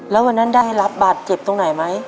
แล้ววันนั้นได้รับบาดเจ็บตรงไหนไหม